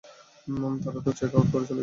তারা তো check out করে চলে গেছে।